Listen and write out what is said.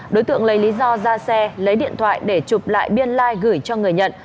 đối tượng lấy lý do ra xe lấy điện thoại để chụp lại biên lai gửi cho người nhận